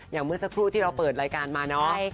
อย่างเมื่อสักครู่ที่เราเปิดรายการมา